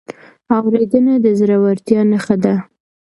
اورېدنه د زړورتیا نښه ده.